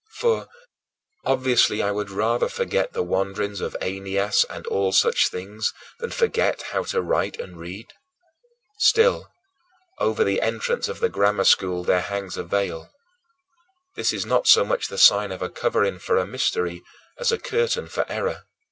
For, obviously, I would rather forget the wanderings of Aeneas, and all such things, than forget how to write and read. Still, over the entrance of the grammar school there hangs a veil. This is not so much the sign of a covering for a mystery as a curtain for error.